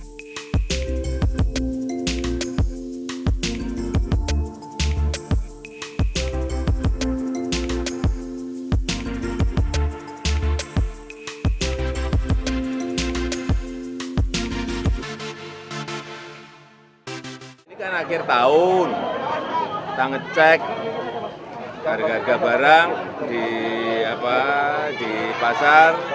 ini kan akhir tahun kita ngecek harga harga barang di pasar